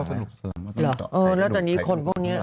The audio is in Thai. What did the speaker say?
กระดูกสานหลัง